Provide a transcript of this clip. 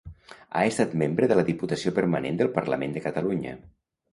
Ha estat membre de la Diputació Permanent del Parlament de Catalunya.